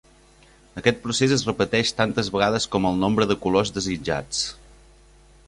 Aquest procés es repeteix tantes vegades com el nombre de colors desitjats.